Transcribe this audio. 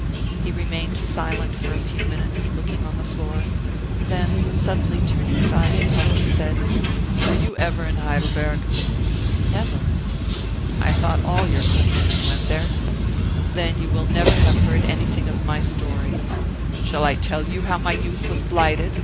He remained silent for a few minutes, looking on the floor, then, suddenly turning his eyes upon me, said: "Were you ever in Heidelberg?" "Never." "I thought all your countrymen went there? Then you will never have heard anything of my story. Shall I tell you how my youth was blighted?